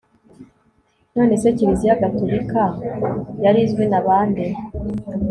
none se kiliziya gaturika yari izwi na ba nde